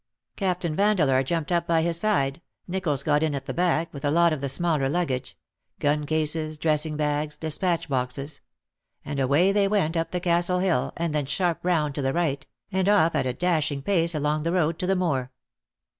Captain Vandeleur jumped up by his side, Nicholls got in at the back, with a lot of the smaller luggage — gun cases, dressing bags, despatch boxes — and away they went up the castle hill, and then sharp round to the right, and off at a dashing pace along the road to the moor.